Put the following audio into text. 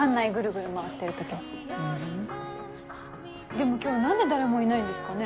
でも今日何で誰もいないんですかね。